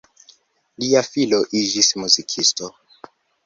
Lia filo iĝis muzikisto.